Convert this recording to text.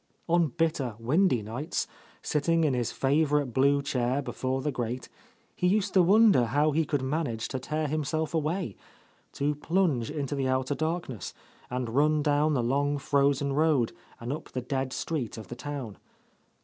On bitter, windy nights, sitting —69— A Lost Lady in his favourite blue chair before the grate, he used to wonder how he could manage to tear him self away, to plunge into the outer darkness, and run down the long frozen road and up the dead street of the town.